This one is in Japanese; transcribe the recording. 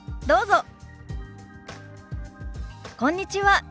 どうぞ。